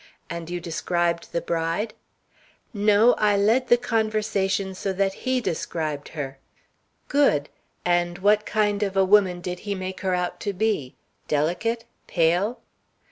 "And you described the bride?" "No, I led the conversation so that he described her." "Good; and what kind of a woman did he make her out to be? Delicate? Pale?"